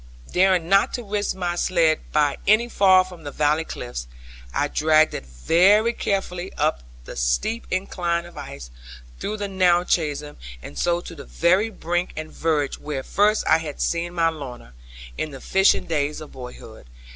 Daring not to risk my sledd by any fall from the valley cliffs, I dragged it very carefully up the steep incline of ice, through the narrow chasm, and so to the very brink and verge where first I had seen my Lorna, in the fishing days of boyhood.